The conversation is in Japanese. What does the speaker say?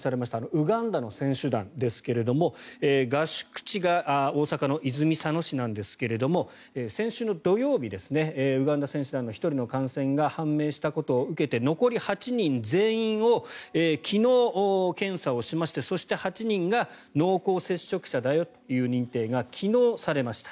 ウガンダの選手団ですけど合宿地が大阪の泉佐野市なんですけれども先週土曜日ウガンダ選手団の１人の感染が判明したことを受けて残り８人全員を昨日、検査をしましてそして８人が濃厚接触者だよという認定が昨日、されました。